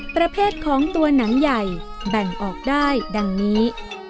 ประเภทของตัวหนังใหญ่แบ่งออกได้ดังนี้